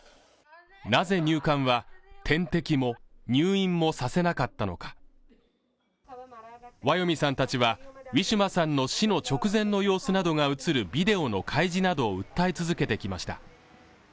なぜ入管は点滴も入院もさせなかったのかワヨミさんたちはウィシュマさんの死の直前の様子などが映るビデオの開示などを訴え続けてきました